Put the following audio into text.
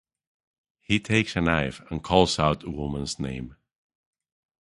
He takes a knife and calls out the woman's name.